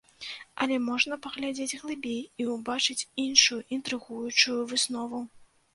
Але можна паглядзець глыбей і ўбачыць іншую інтрыгуючую выснову.